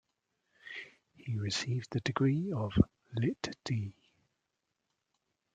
He received the degree of Litt.D.